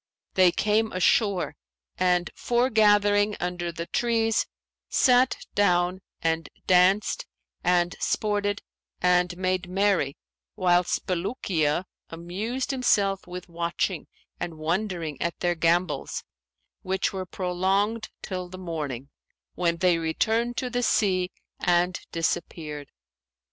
They came ashore and, foregathering under the trees, sat down and danced and sported and made merry whilst Bulukiya amused himself with watching and wondering at their gambols, which were prolonged till the morning, when they returned to the sea and disappeared.